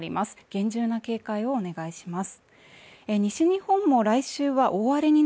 厳重な警戒をお願いします